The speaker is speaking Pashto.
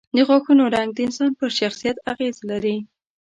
د غاښونو رنګ د انسان پر شخصیت اغېز لري.